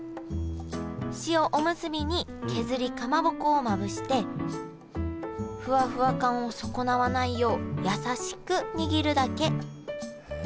塩おむすびに削りかまぼこをまぶしてフワフワ感を損なわないよう優しく握るだけ。